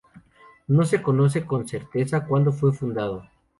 No se conoce con certeza cuando fue fundado.